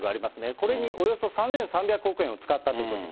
これにおよそ３３００億円を使ったということです。